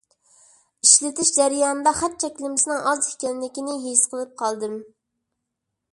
ئىشلىتىش جەريانىدا خەت چەكلىمىسىنىڭ ئاز ئىكەنلىكىنى ھېس قىلىپ قالدىم.